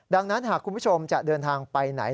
ดังนั้นหากคุณผู้ชมจะเดินทางไปไหน